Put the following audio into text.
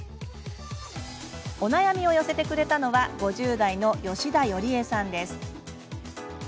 お悩みを寄せてくれたのは５０代の吉田縁江さんです。